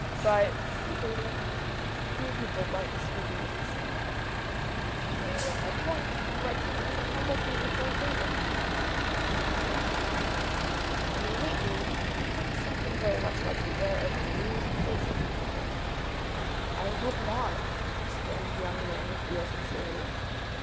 "But," he pleaded, "few people write and speak in just the same way." "That is not my point. You write to me as a humble pleader for a favour." "Naturally." "When you meet me, you take something very much like the air of an amused social superior." "I hope not!" exclaimed the young man with real sincerity.